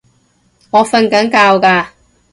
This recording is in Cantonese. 我訓緊覺㗎